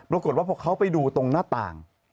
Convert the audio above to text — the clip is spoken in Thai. ปรากฏว่าพอเขาไปดูตรงหน้าต่าง